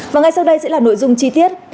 và ngay sau đây sẽ là nội dung chi tiết